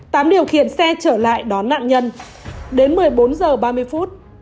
tám điều khiển xe trở lại đón nạn nhân đến một mươi bốn h ba mươi